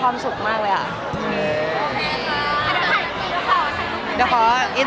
มันเป็นเรื่องน่ารักที่เวลาเจอกันเราต้องแซวอะไรอย่างเงี้ย